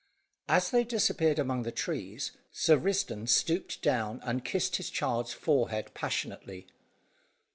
As they disappeared among the trees, Sir Risdon stooped down and kissed his child's forehead passionately.